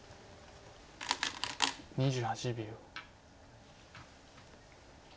２８秒。